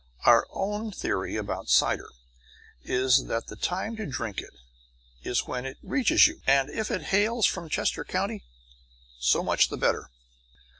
'" Our own theory about cider is that the time to drink it is when it reaches you; and if it hails from Chester County, so much the better.